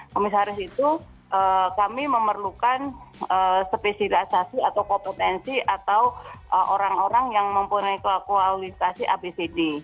komisaris itu kami memerlukan spesialisasi atau kompetensi atau orang orang yang mempunyai kualifikasi apcd